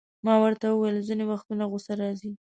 ما ورته وویل: ځیني وختونه غصه راځي.